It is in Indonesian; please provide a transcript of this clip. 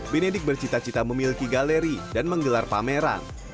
benedik bercita cita memiliki galeri dan menggelar pameran